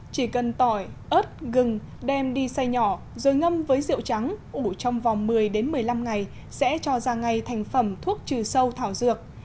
chỉ cần tỏi ớt gừng đem đi xa nhỏ rồi ngâm với rượu trắng ủ trong vòng một mươi đến một mươi năm ngày sẽ cho ra ngay thành phẩm thuốc trừ sâu thảo dược